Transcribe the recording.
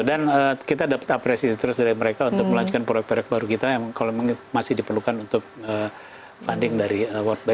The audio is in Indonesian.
dan kita dapat apresiasi terus dari mereka untuk melanjutkan proyek proyek baru kita yang kalau masih diperlukan untuk funding dari world bank